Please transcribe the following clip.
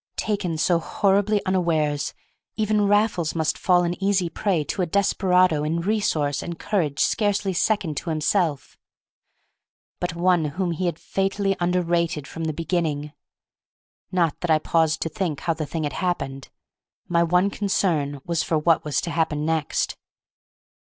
Taken so horribly unawares, even Raffles must fall an easy prey to a desperado in resource and courage scarcely second to himself, but one whom he had fatally underrated from the beginning. Not that I paused to think how the thing had happened; my one concern was for what was to happen next.